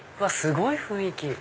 すごい雰囲気！